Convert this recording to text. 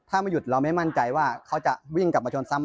ถ้าไม่หยุดเราไม่มั่นใจว่าเขาจะวิ่งกลับมาชนซ้ำ